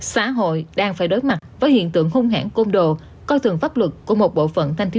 xã hội đang phải đối mặt với hiện tượng hung hãn côn đồ coi thường pháp luật của một bộ phận thanh thiếu